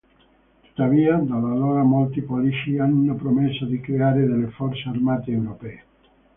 Tuttavia da allora molti politici hanno promesso di creare delle forze armate europee.